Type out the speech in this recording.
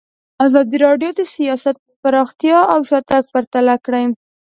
ازادي راډیو د سیاست پرمختګ او شاتګ پرتله کړی.